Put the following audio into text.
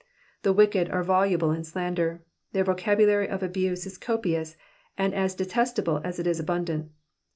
The wicked are voluble in slander ; their ▼ocabulary of abuse is copious, and as detestable as it is abundant.